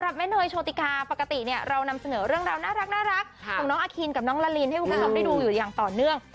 แม่เนยโชติกาปกติเนี่ยเรานำเสนอเรื่องราวน่ารักของน้องอาคินกับน้องละลินให้คุณผู้ชมได้ดูอยู่อย่างต่อเนื่อง